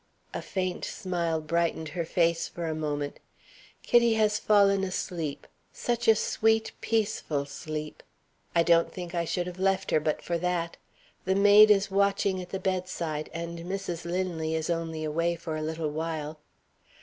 A faint smile brightened her face for a moment. "Kitty has fallen asleep such a sweet, peaceful sleep! I don't think I should have left her but for that. The maid is watching at the bedside, and Mrs. Linley is only away for a little while."